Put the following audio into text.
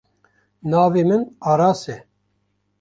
Navê min Aras e.